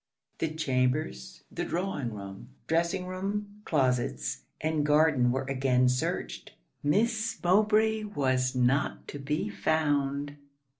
The chambers, the drawing room, dressing room, closets, and garden were again searched. Miss Mowbray was not to be found!